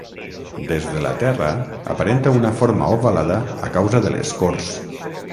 Des de la Terra aparenta una forma ovalada a causa de l'escorç.